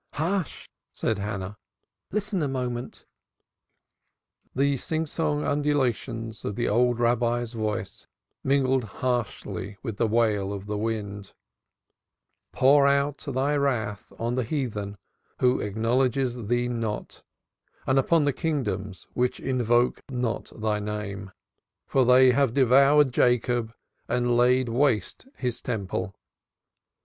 "Hush!" said Hannah. "Listen a moment." The sing song undulations of the old Rabbi's voice mingled harshly with the wail of the wind: "_Pour out Thy wrath on the heathen who acknowledge Thee not and upon the Kingdoms which invoke not Thy name, for they have devoured Jacob and laid waste his Temple.